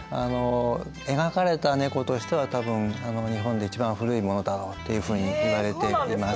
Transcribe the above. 描かれた猫としては多分日本で一番古いものだろうっていうふうにいわれています。